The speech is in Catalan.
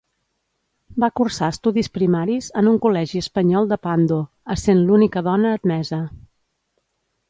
Va cursar estudis primaris en un col·legi espanyol de Pando, essent l'única dona admesa.